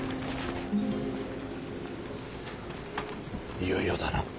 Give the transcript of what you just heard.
いよいよだな。